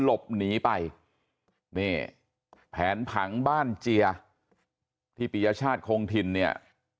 หลบหนีไปนี่แผนผังบ้านเจียที่ปียชาติคงถิ่นเนี่ย